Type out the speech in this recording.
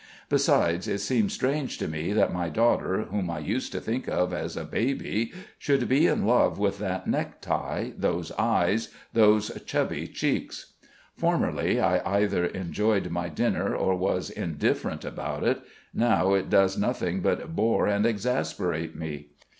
Besides, it seems strange to me that my daughter whom I used to think of as a baby should be in love with that necktie, those eyes, those chubby cheeks. Formerly, I either enjoyed my dinner or was indifferent about it. Now it does nothing but bore and exasperate me.